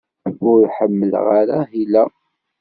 Ur ḥemmleɣ ara ahil-a.